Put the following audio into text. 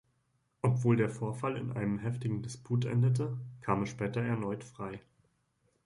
Obwohl der Vorfall in einem heftigen Disput endete, kam er später erneut frei.